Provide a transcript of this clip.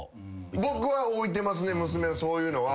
僕は置いてますね娘のそういうのは。